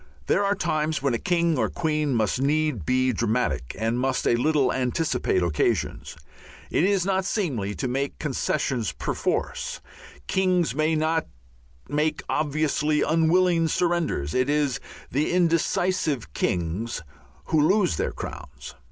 There are times when a king or queen must need be dramatic and must a little anticipate occasions. It is not seemly to make concessions perforce; kings may not make obviously unwilling surrenders; it is the indecisive kings who lose their crowns.